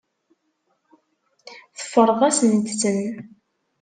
Teffreḍ-asent-ten.